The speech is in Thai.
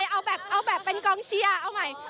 เอาแบบเอาแบบเป็นกองเชียร์เอาใหม่